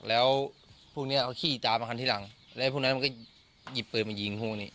แล้วพวกนี้เอาขี้ตามมาคันที่หลังแล้วพวกนั้นมันก็หยิบปืนมายิงพวกนี้